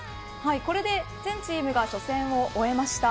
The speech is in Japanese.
これで全チームが初戦を終えました。